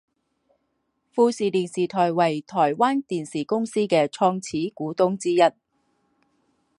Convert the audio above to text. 富士电视台为台湾电视公司的创始股东之一。